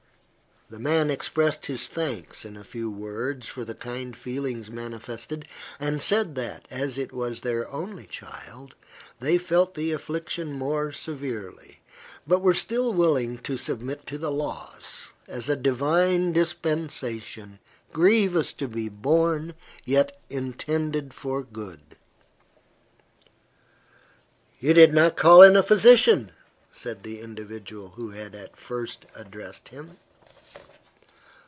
The man expressed his thanks, in a few words, for the kind feelings manifested, and said that, as it was their only child, they felt the affliction more severely, but were still willing to submit to the loss, as a Divine dispensation, grievous to be borne, yet intended for good. "You did not call in a physician," said the individual who had at first addressed him.